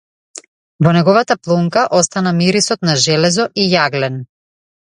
Во неговата плунка остана мирисот на железо и јаглен.